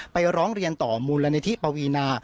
ร้องเรียนต่อมูลนิธิปวีนา